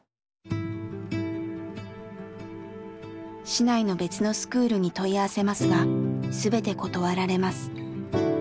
市内の別のスクールに問い合わせますが全て断られます。